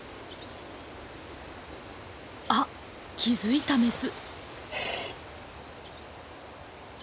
あっ気付いたメス。